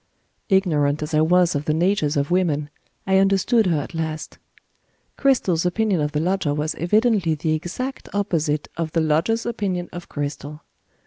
Ignorant as I was of the natures of women, I understood her at last. Cristel's opinion of the lodger was evidently the exact opposite of the lodger's opinion of Cristel.